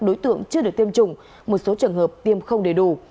đối tượng chưa được tiêm chủng một số trường hợp tiêm không đầy đủ